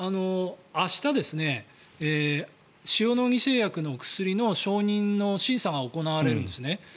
明日、塩野義製薬の薬の承認の審査が行われるんですね。